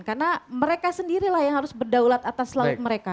karena mereka sendiri lah yang harus berdaulat atas langit mereka